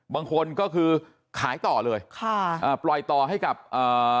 บางคนก็คือขายต่อเลยค่ะอ่าปล่อยต่อให้กับอ่า